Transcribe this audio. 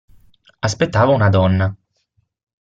Aspettava una donna.